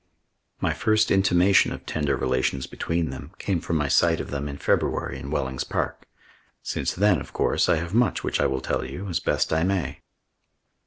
My first intimation of tender relations between them came from my sight of them in February in Wellings Park. Since then, of course, I have much which I will tell you as best I may.